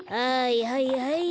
はいはいはい。